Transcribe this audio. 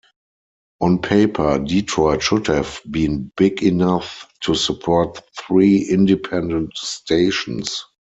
On paper, Detroit should have been big enough to support three independent stations.